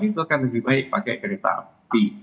itu akan lebih baik pakai kereta api